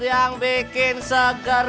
yang bikin seger